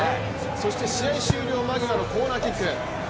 そして、試合終了間際のコーナーキック。